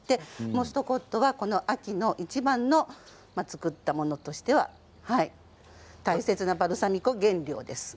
モストコットはこの秋のいちばんのつくったものとして大切なバルサミコ原料です。